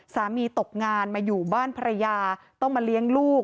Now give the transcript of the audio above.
ตกงานมาอยู่บ้านภรรยาต้องมาเลี้ยงลูก